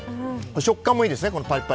食感もいいですね。